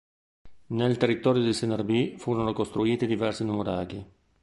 Nel territorio di Senorbì furono costruiti diversi nuraghi.